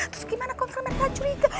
terus gimana kau kamu gak curiga